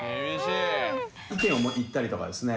意見を言ったりとかですね